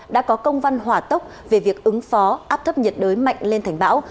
đã có công văn hỏa tốc về việc ứng phó áp thấp nhiệt đới mạnh lên thành bão